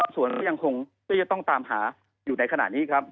ซักหนึ่งแต่ต้องตามหาอยู่ในขณะนี้ครับ